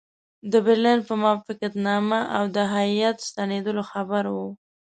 د برلین په موافقتنامه او د هیات ستنېدلو خبر وو.